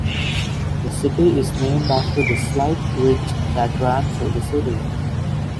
The city is named after the slight ridge that ran through the city.